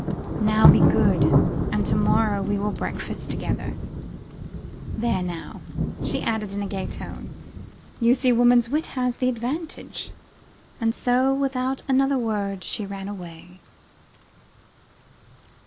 Now be good, and to morrow we will breakfast together. There now!' she added in a gay tone, 'you see woman's wit has the advantage.' And so without another word she ran away.